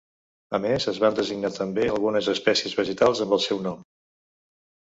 A més es van designar també algunes espècies vegetals amb el seu nom.